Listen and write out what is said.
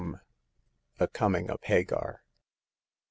THE COMING OF HAGAR.